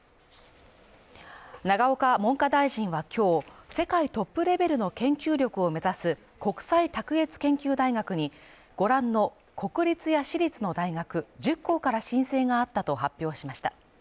永岡文科大臣は今日、世界トップレベルの研究力を目指す国際卓越研究大学にご覧の国立や私立の大学１０校から申請があったと発表しました。